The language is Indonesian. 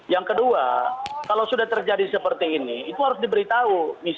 yang kedua kalau sudah terjadi seperti ini itu harus diberitahu